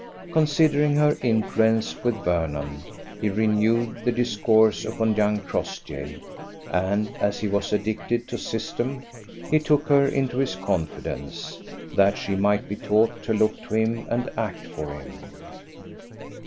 Considering her influence with Vernon, he renewed the discourse upon young Crossjay; and, as he was addicted to system, he took her into his confidence, that she might be taught to look to him and act for him.